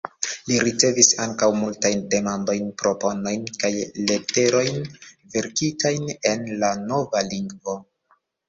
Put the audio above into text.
Li ricevis ankaŭ multajn demandojn, proponojn, kaj leterojn verkitajn en la nova lingvo.